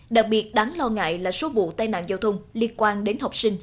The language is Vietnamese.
đặc biệt đáng lo ngại là số vụ tai nạn giao thông liên quan đến học sinh